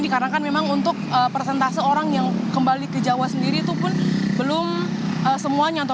dikarenakan memang untuk persentase orang yang kembali ke jawa sendiri itu pun belum semuanya